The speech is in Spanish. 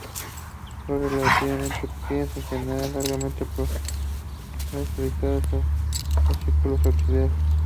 Flores relativamente pequeñas, en general largamente pedunculadas, solitarias o en fascículos axilares.